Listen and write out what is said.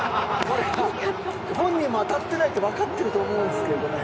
本人も当たってないって分かってると思うんですけどね。